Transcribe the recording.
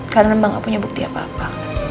karena mbak gak punya bukti apa apa